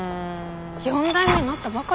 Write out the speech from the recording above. ４代目になったばかりなのに。